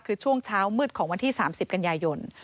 คือช่วงเช้ามืดของวันที่๓๐กันยายน